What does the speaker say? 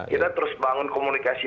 kita terus bangun komunikasi